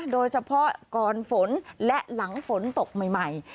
โดยเฉพาะก่อนฝนและหลังฝนตกใหม่